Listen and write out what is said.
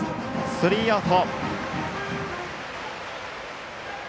スリーアウト。